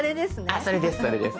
あっそれですそれです。